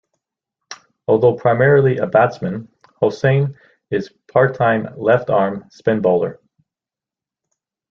Although primarily a batsman, Hossain is a part-time left arm spin bowler.